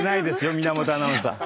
源アナウンサー。